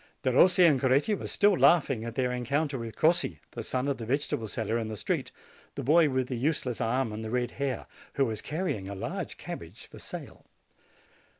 Derossi and Coretti were still laughing at their encounter with Crossi, the son of the vegetable seller, in the street, the boy with the useless arm and the red hair, who was carrying a large cabbage for sale.